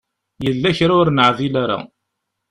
Yella kra ur neɛdil ara.